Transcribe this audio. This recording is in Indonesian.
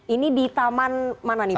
ini di taman mana nih pak